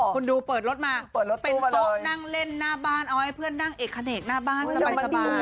คุณดูเปิดรถมาเป็นโต๊ะนั่งเล่นหน้าบ้านเอาให้เพื่อนนั่งเอกขเนกหน้าบ้านสบาย